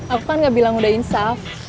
aku kan enggak bilang udah insaf